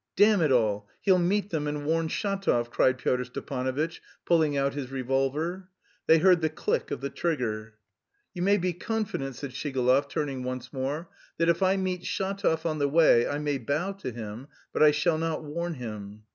"Damn it all, he'll meet them and warn Shatov!" cried Pyotr Stepanovitch, pulling out his revolver. They heard the click of the trigger. "You may be confident," said Shigalov, turning once more, "that if I meet Shatov on the way I may bow to him, but I shall not warn him."